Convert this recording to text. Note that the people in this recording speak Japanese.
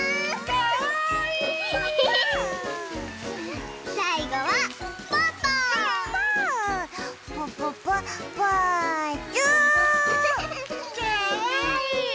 かわいい！